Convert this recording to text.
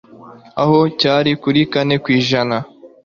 aho cyari kuri kane kw'ijana